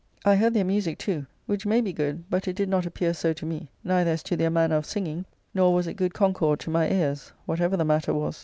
I heard their musique too; which may be good, but it did not appear so to me, neither as to their manner of singing, nor was it good concord to my ears, whatever the matter was.